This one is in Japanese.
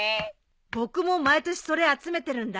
僕も毎年それ集めてるんだ。